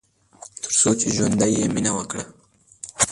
تر څو چې ژوندی يې ، مينه وکړه